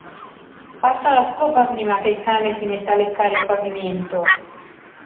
Passa la scopa prima che il cane si metta a leccare il pavimento!